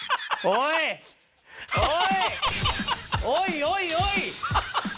おいおいおい！